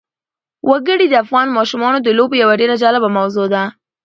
وګړي د افغان ماشومانو د لوبو یوه ډېره جالبه موضوع ده.